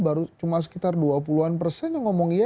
baru cuma sekitar dua puluh an persen yang ngomong iya